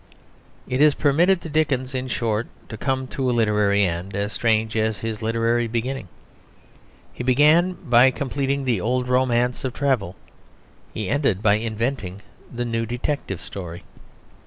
It is permitted to Dickens, in short, to come to a literary end as strange as his literary beginning. He began by completing the old romance of travel. He ended by inventing the new detective story.